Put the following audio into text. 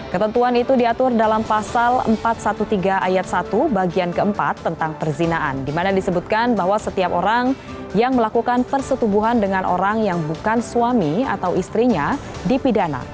ketentuan itu diatur dalam pasal empat ratus tiga belas ayat satu bagian keempat tentang perzinaan di mana disebutkan bahwa setiap orang yang melakukan persetubuhan dengan orang yang bukan suami atau istrinya dipidana